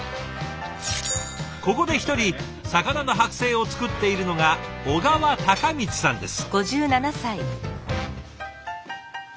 ここで一人魚の剥製を作っているのが小川貴光さんです。